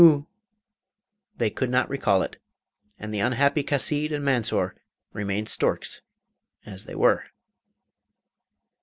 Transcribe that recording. they could not recall it, and the unhappy Chasid and Mansor remained storks as they were.